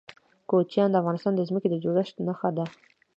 کوچیان د افغانستان د ځمکې د جوړښت نښه ده.